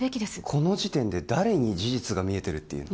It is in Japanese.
この時点で誰に事実が見えてるっていうの？